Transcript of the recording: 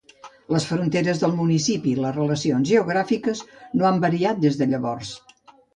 Les fronteres del municipi i les relacions geogràfiques no han variat des de llavors.